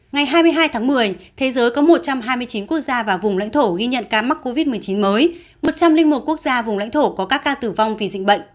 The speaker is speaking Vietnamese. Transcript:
ngày hai mươi hai tháng một mươi thế giới có một trăm hai mươi chín quốc gia và vùng lãnh thổ ghi nhận ca mắc covid một mươi chín mới một trăm linh một quốc gia vùng lãnh thổ có các ca tử vong vì dịch bệnh